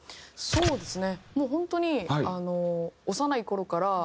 そうですね。